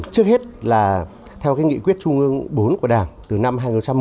trước hết là theo nghị quyết trung ương bốn của đảng từ năm hai nghìn một mươi